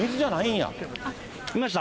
見ました？